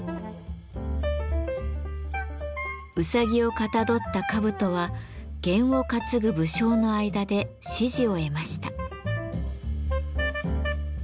うさぎをかたどった兜は験を担ぐ武将の間で支持を得ました。